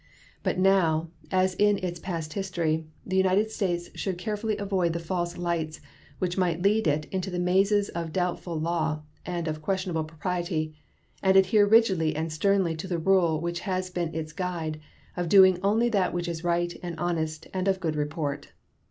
But now, as in its past history, the United States should carefully avoid the false lights which might lead it into the mazes of doubtful law and of questionable propriety, and adhere rigidly and sternly to the rule, which has been its guide, of doing only that which is right and honest and of good report.